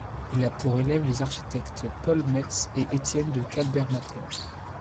Il a pour élèves les architectes Paul Metz et Étienne de Kalbermatten.